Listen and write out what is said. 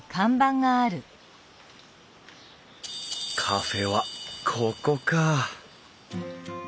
カフェはここか。